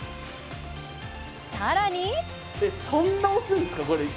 さらに！